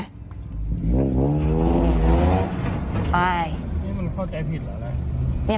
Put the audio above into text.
นี่มันเข้าใจผิดหรืออะไร